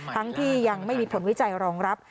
ทั้งที่ยังไม่มีผลวิจัยรองรับ